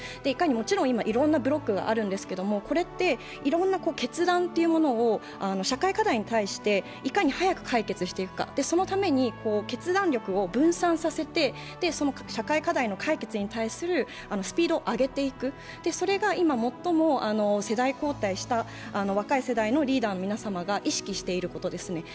もちろんいろんなブロックがあるんですけど、いろんな決断というものを社会課題に対していかに早く解決していくか、そのために決断力を分散させて社会課題の解決に対するスピードを上げていくそれが今、最も世代交代した若い世代のリーダーの皆様が意識していることですね。